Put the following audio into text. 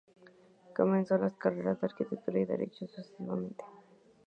Comenzó las carreras de arquitectura y derecho, sucesivamente.